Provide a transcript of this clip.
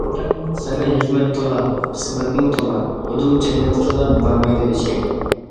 سەندە ھېكمەت تولا، قىسمەتمۇ تولا، ئۇدۇل جەننەتكىلا بارمايدۇ ھېچكىم.